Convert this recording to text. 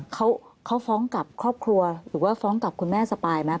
เขาฟ้องกับครอบครัวหรือว่าฟ้องกับคุณแม่สปายไหม